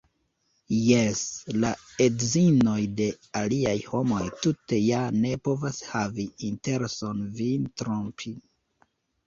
Jes, la edzinoj de aliaj homoj tute ja ne povas havi intereson vin trompi!